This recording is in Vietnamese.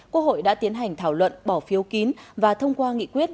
quốc hội đã tiến hành thảo luận bỏ phiếu kín và thông qua nghị quyết